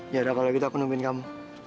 jangan kalau gitu aku nungguin kamu